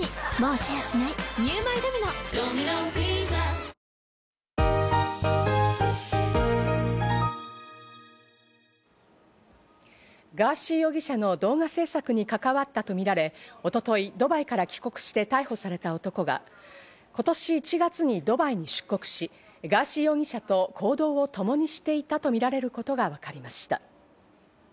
三井不動産ガーシー容疑者の動画制作に関わったとみられ、一昨日ドバイから帰国して逮捕された男が今年１月にドバイに出国し、ガーシー容疑者と行動をともにしていたとみられることがわかりました。